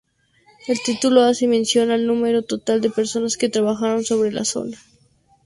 El título hace mención al número total de personas que trabajaron sobre la zona.